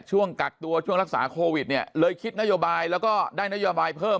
ช่วงกักตัวช่วงรักษาโควิดเนี่ยเลยคิดนโยบายแล้วก็ได้นโยบายเพิ่ม